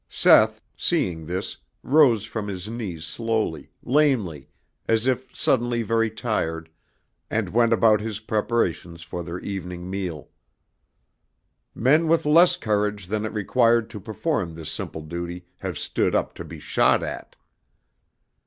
Seth, seeing this, rose from his knees slowly, lamely, as if suddenly very tired, and went about his preparations for their evening meal. Men with less courage than it required to perform this simple duty have stood up to be shot at.